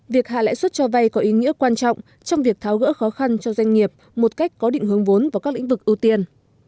việc hạ lãi suất cho vay có ý nghĩa quan trọng trong việc tháo gỡ khó khăn cho doanh nghiệp một cách có định hướng vốn vào các lĩnh vực ưu tiên